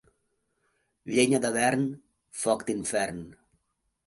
Llenya de vern, foc d'infern.